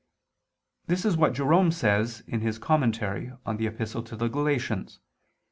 This is what Jerome says in his commentary on the Epistle to the Galatians [*In Ep.